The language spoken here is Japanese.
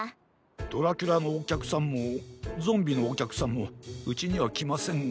ドラキュラのおきゃくさんもゾンビのおきゃくさんもうちにはきませんが。